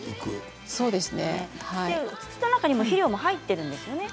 土の中にも肥料が入っているんですよね。